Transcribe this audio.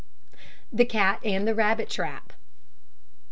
THE CAT AND THE RABBIT TRAP.